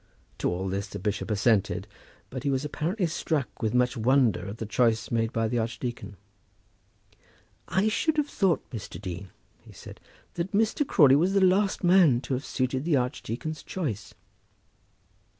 To all this the bishop assented, but he was apparently struck with much wonder at the choice made by the archdeacon. "I should have thought, Mr. Dean," he said, "that Mr. Crawley was the last man to have suited the archdeacon's choice."